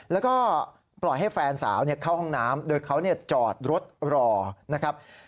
แล้วก็ปล่อยให้แฟนสาวเข้าห้องน้ำโดยเขาจอดรถรอนะครับ